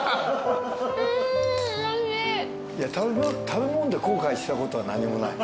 食べ物で後悔したことは何もない。